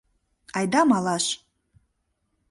— Айда малаш!